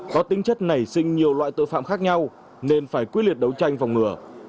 có tính chất nảy sinh nhiều loại tội phạm khác nhau nên phải quyết liệt đấu tranh phòng ngừa